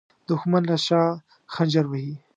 دښمن له شا خنجر وهي